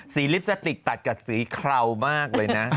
ลิปสติกตัดกับสีเครามากเลยนะ